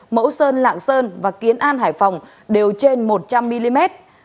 mẫu sơn lạng sơn và kiến an hải phòng đều trên một trăm linh mm